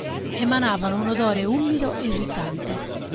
Emanavano un odore umido e irritante.